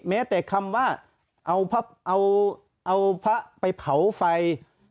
แม้แต่คำว่าเอาพระไปเผาไฟ